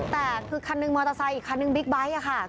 แต่คือคันหนึ่งมอเตอร์ไซค์อีกคันนึงบิ๊กไบท์ค่ะ